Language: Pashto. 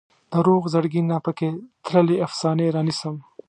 د روغ زړګي نه پکې تللې افسانې رانیسم